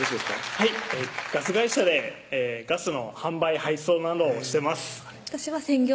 はいガス会社でガスの販売・配送などをしてます